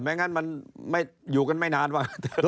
ไม่งั้นมันอยู่กันไม่นานว่ะ